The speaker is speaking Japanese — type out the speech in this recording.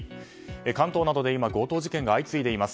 関東などで強盗事件が相次いでいます。